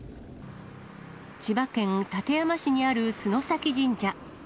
千葉県館山市にある洲崎神社。